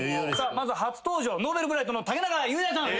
まず初登場Ｎｏｖｅｌｂｒｉｇｈｔの竹中雄大さん。